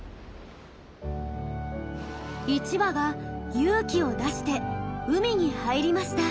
１羽が勇気を出して海に入りました。